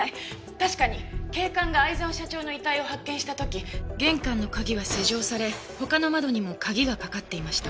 確かに警官が逢沢社長の遺体を発見した時玄関の鍵は施錠され他の窓にも鍵がかかっていました。